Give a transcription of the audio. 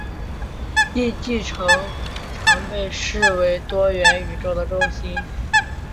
印记城常被视为多元宇宙的中心。